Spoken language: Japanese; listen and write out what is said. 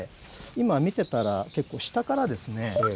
今見てたら結構下からですね。